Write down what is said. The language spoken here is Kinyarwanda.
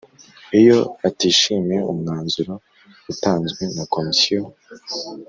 iyo atishimiye umwanzuro utanzwe na komisiyo,